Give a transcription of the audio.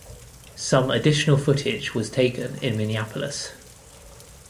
Some additional footage was taken in Minneapolis.